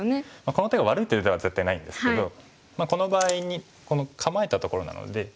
この手が悪いということは絶対ないんですけどこの場合に構えたところなので。